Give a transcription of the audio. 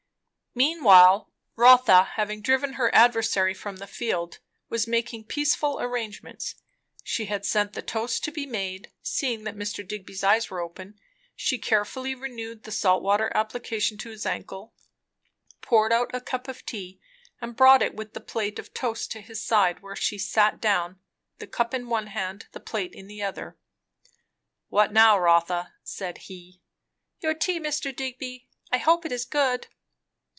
Meanwhile, Rotha having driven her adversary from the field, was making peaceful arrangements. She had sent the toast to be made; seeing that Mr. Digby's eyes were open, she carefully renewed the salt water application to his ankle; poured out a cup of tea, and brought it with the plate of toast to his side; where she sat down, the cup in one hand, the plate in the other. "What now, Rotha?" said he. "Your tea, Mr. Digby. I hope it is good."